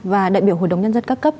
và đại biểu hội đồng nhân dân các cấp